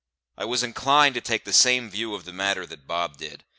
I was inclined to take the same view of the matter that Bob did.